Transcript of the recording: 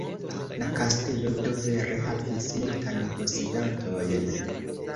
La kastelo do vere havis multajn posedantojn.